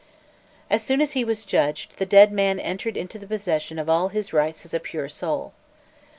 As soon as he was judged, the dead man entered into the possession of his rights as a pure soul.